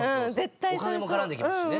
お金も絡んできますしね。